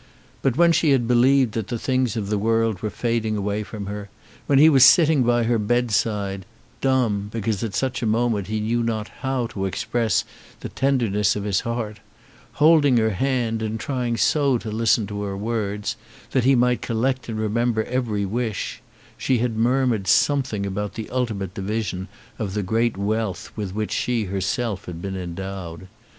But when she had believed that the things of the world were fading away from her, and when he was sitting by her bedside, dumb, because at such a moment he knew not how to express the tenderness of his heart, holding her hand, and trying so to listen to her words, that he might collect and remember every wish, she had murmured something about the ultimate division of the great wealth with which she herself had been endowed.